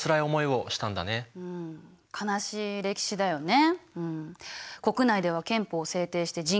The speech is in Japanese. うん悲しい歴史だよね。